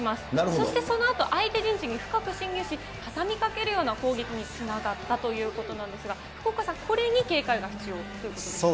そしてそのあと、相手陣地に深く進入し、畳みかけるような攻撃につながったということなんですが、福岡さん、これに警戒が必要ということですか。